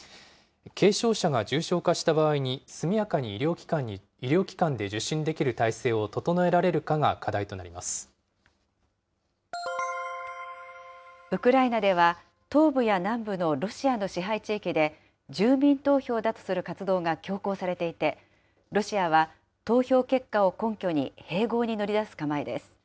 軽症者が重症化した場合に速やかに医療機関で受診できる体制を整ウクライナでは、東部や南部のロシアの支配地域で、住民投票だとする活動が強行されていて、ロシアは投票結果を根拠に、併合に乗り出す構えです。